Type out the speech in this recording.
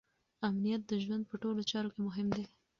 امنیت د ژوند په ټولو چارو کې مهم دی.